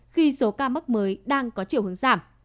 khi số ca mắc mới đang có chiều hướng giảm